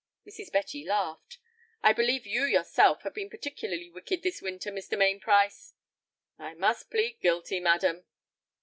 Mrs. Betty laughed. "I believe you yourself have been particularly wicked this winter, Mr. Mainprice." "I must plead guilty, madam."